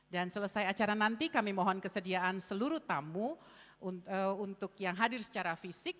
dan selesai acara nanti kami mohon kesediaan seluruh tamu untuk yang hadir secara fisik